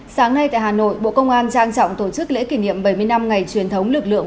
sáng nay tại hà nội bộ công an trang trọng tổ chức lễ kỷ niệm bảy mươi năm ngày truyền thống lực lượng